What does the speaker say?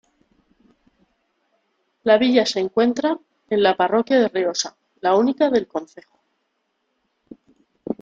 La villa se encuentra en la parroquia de Riosa, la única del concejo.